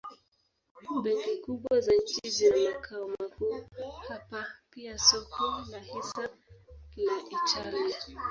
Benki kubwa za nchi zina makao makuu hapa pia soko la hisa la Italia.